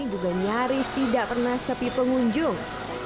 juga nyaris tidak pernah sepi pengunjung